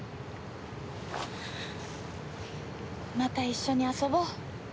また一緒に遊ぼう。